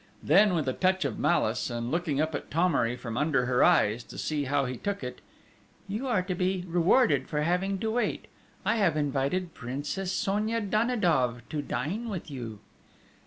Then, with a touch of malice, and looking up at Thomery from under her eyes, to see how he took it: "You are to be rewarded for having to wait!... I have invited Princess Sonia Danidoff to dine with you!"